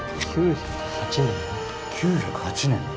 ９０８年？